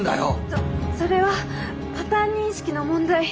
そそれはパターン認識の問題。